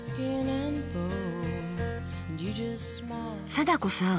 貞子さん